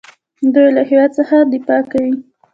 دوی له هیواد څخه دفاع کوي.